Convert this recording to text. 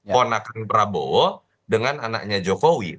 ponakan prabowo dengan anaknya jokowi